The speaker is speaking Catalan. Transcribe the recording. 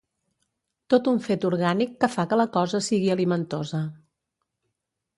Tot un fet orgànic que fa que la cosa sigui alimentosa.